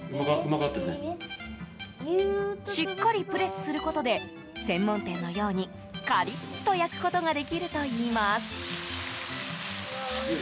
しっかりプレスすることで専門店のようにカリッと焼くことができるといいます。